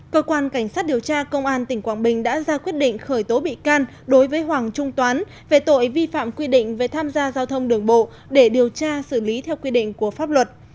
cơ quan cảnh sát điều tra công an tỉnh quảng bình đã ra quyết định khởi tố bị can đối với hoàng trung toán về tội vi phạm quy định về tham gia giao thông đường bộ để điều tra xử lý theo quy định của pháp luật